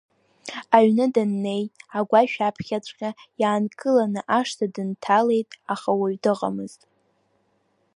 Аҩны даннеи, агәашә аԥхьаҵәҟьа иаанкыланы ашҭа дынҭалеит, аха уаҩы дыҟаӡамызт.